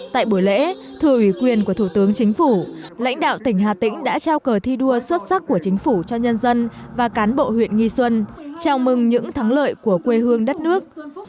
tại buổi lễ thừa ủy quyền của thủ tướng chính phủ lãnh đạo tỉnh hà tĩnh đã trao cờ thi đua xuất sắc của chính phủ cho nhân dân và cán bộ huyện nghi xuân chào mừng những thắng lợi của quê hương đất nước